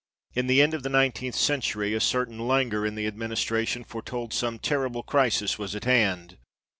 In the end of the nine teenth century a certain languor in the administration foretold some terrible crisis was at hand.